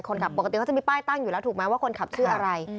ขับปกติเขาจะมีป้ายตั้งอยู่แล้วถูกไหมว่าคนขับชื่ออะไร